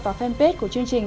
vào fanpage của chương trình